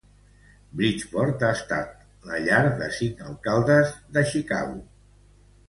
Bridgeport ha estat la llar de cinc alcaldes de Chicago.